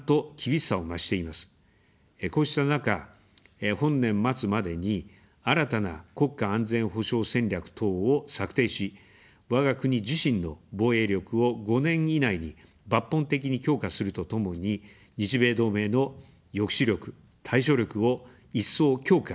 こうした中、本年末までに新たな国家安全保障戦略等を策定し、わが国自身の防衛力を５年以内に抜本的に強化するとともに、日米同盟の抑止力・対処力を一層強化します。